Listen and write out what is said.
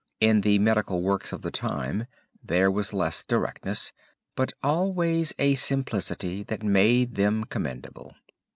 In the medical works of the time there was less directness, but always a simplicity that made them commendable.